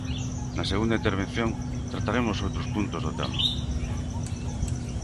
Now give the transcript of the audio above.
Na segunda intervención trataremos outros puntos do tema.